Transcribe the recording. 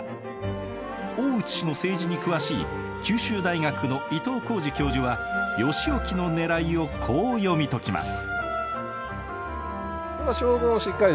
大内氏の政治に詳しい九州大学の伊藤幸司教授は義興のねらいをこう読み解きます。